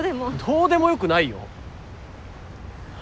どうでもよくないよ。